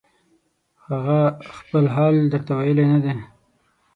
هغه خپل حال درته ویلی نه دی